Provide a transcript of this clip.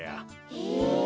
へえ。